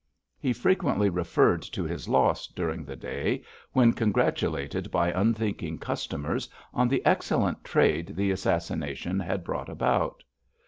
He frequently referred to his loss during the day, when congratulated by unthinking customers on the excellent trade the assassination had brought about.